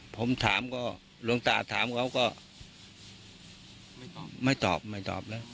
ผมถามก็หลวงตาถามเขาก็ไม่ตอบไม่ตอบไม่ตอบแล้ว